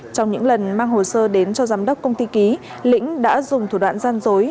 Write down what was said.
trong những lần mang hồ sơ đến cho giám đốc công ty ký lĩnh đã dùng thủ đoạn gian dối